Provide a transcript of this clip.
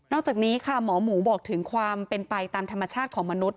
จากนี้ค่ะหมอหมูบอกถึงความเป็นไปตามธรรมชาติของมนุษย